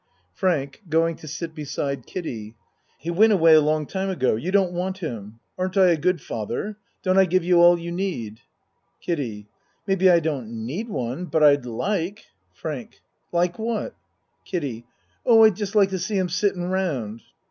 FRANK (Going to sit beside Kiddie.) He went away a long time ago You don't want him. Aren't I a good father? Don't I give you all you need? KIDDIE Maybe I don't need one but I'd like FRANK Like what? KIDDIE Oh, I'd just like to see him sittin' round.